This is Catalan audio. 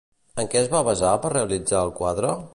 En què es va basar per realitzar el quadre?